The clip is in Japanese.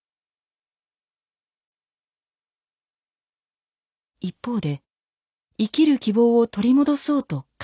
一方で生きる希望を取り戻そうと葛藤する姿も。